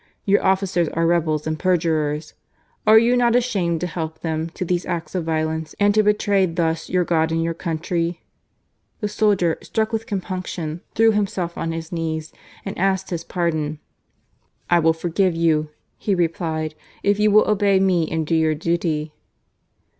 Your officers are rebels and perjurers. Are you not ashamed to help them to these acts of violence, and to betray thus your God and your country ?" The soldier, struck with compunction, threw himself on his knees and asked his pardon. " I will forgive you," he replied, " if you will obey me and do your duty."